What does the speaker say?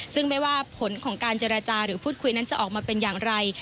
ซึ่งไม่ว่าผลของการเจรจาหรือพูดคุยนั้นจะออกมาเป็นอย่างไร